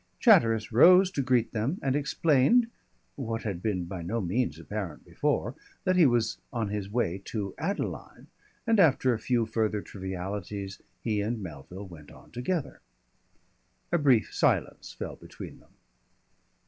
Chatteris rose to greet them and explained what had been by no means apparent before that he was on his way to Adeline, and after a few further trivialities he and Melville went on together. A brief silence fell between them.